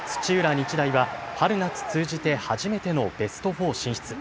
日大は春夏通じて初めてのベスト４進出。